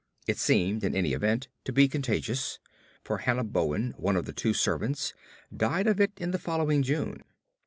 It seemed, in any event, to be contagious; for Hannah Bowen, one of the two servants, died of it in the following June.